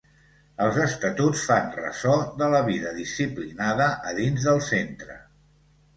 Els Estatuts fan ressò de la vida disciplinada a dins del centre.